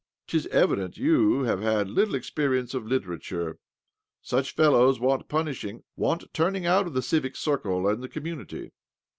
'Tis evident you have had little experience of literature ! Such fellows want punishing— want turning out of the civic circle and the comtnunity."